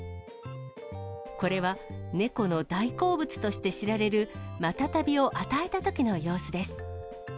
これは猫の大好物として知られるマタタビを与えたときの様子です。